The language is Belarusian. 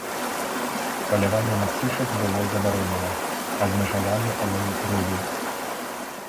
Паляванне на птушак было забаронена, абмежаваны лоў рыбы.